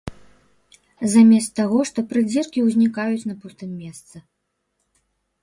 Замест таго, што прыдзіркі ўзнікаюць на пустым месцы.